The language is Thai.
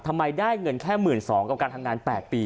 ทำไมได้เงินแค่๑๒๐๐กับการทำงาน๘ปี